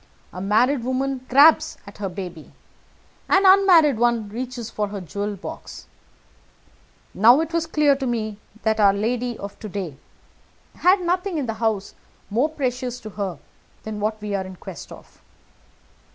A married woman grabs at her baby an unmarried one reaches for her jewel box. Now it was clear to me that our lady of to day had nothing in the house more precious to her than what we are in quest of.